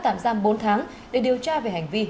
tạm giam bốn tháng để điều tra về hành vi